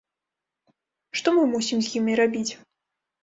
Што мы мусім з імі рабіць?